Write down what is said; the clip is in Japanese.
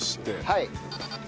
はい。